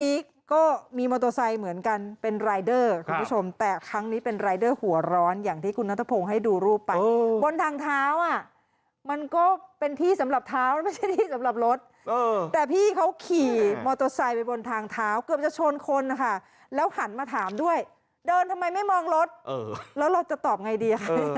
ก็มีมอเตอร์ไซค์เหมือนกันเป็นรายเดอร์คุณผู้ชมแต่ครั้งนี้เป็นรายเดอร์หัวร้อนอย่างที่คุณนัทพงศ์ให้ดูรูปไปบนทางเท้าอ่ะมันก็เป็นที่สำหรับเท้าไม่ใช่ที่สำหรับรถแต่พี่เขาขี่มอเตอร์ไซค์ไปบนทางเท้าเกือบจะชนคนนะคะแล้วหันมาถามด้วยเดินทำไมไม่มองรถแล้วเราจะตอบไงดีค่ะ